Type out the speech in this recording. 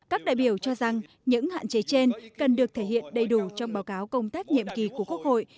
các đại biểu cho rằng những hạn chế trên cần được thể hiện đầy đủ trong báo cáo công tác nhiệm kỳ của quốc hội